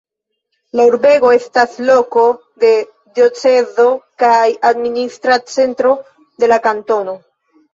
La urbego estas loko de diocezo kaj administra centro de la kantono.